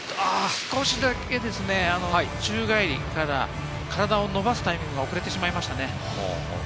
少しだけ宙返り、体を伸ばすタイミングが遅れてしまいましたね。